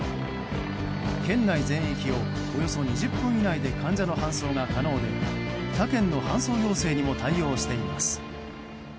県内全域を、およそ２０分以内で患者の搬送が可能で他県の搬送要請にも対応しています。